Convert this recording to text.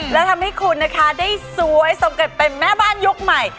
แล้วทำให้คุณนะคะได้สวยสมเกตเป็นแม่บ้านยุคใหม่